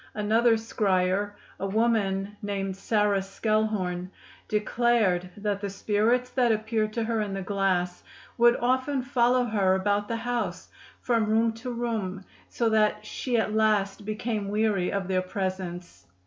Another scryer, a woman named Sarah Skelhorn, declared that the spirits that appeared to her in the glass would often follow her about the house from room to room, so that she at last became weary of their presence.